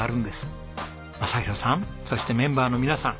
雅啓さんそしてメンバーの皆さん。